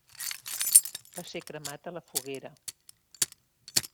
Va ser cremat a la foguera.